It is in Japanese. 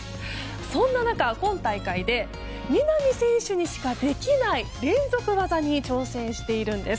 そんな中、今大会で南選手にしかできない連続技に挑戦しているんです。